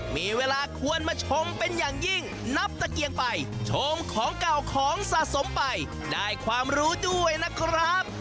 มีเวลาควรมาชมเป็นอย่างยิ่งนับตะเกียงไปชมของเก่าของสะสมไปได้ความรู้ด้วยนะครับ